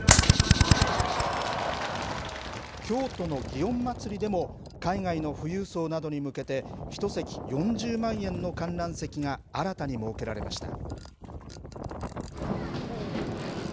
京都の祇園祭でも、海外の富裕層などに向けて、１席４０万円の観覧席が新たに設けられました。